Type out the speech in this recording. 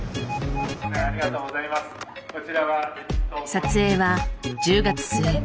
撮影は１０月末。